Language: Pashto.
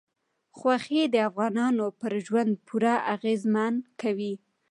غوښې د افغانانو پر ژوند پوره اغېزمن کوي.